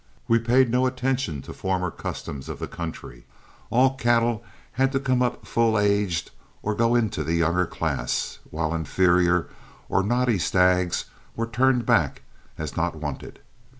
We paid no attention to former customs of the country; all cattle had to come up full aged or go into the younger class, while inferior or knotty stags were turned back as not wanted.